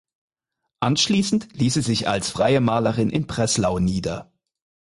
Anschließend ließ sie sich als freie Malerin in Breslau nieder.